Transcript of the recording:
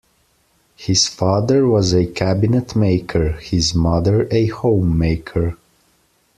His father was a cabinet maker, his mother a homemaker.